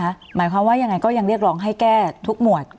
หมายความว่ายังไงก็ยังเรียกร้องให้แก้ทุกหมวด